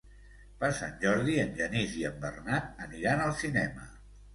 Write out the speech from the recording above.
Per Sant Jordi en Genís i en Bernat aniran al cinema.